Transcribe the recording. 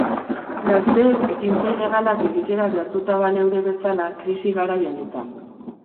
Gazteek ekintza ilegalak egitera behartuta baleude bezala, krisi garai honetan.